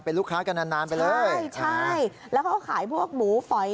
เป็นลูกค้ากันนานนานไปเลยใช่ใช่แล้วเขาก็ขายพวกหมูฝอย